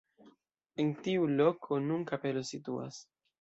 En tiu loko nun kapelo situas.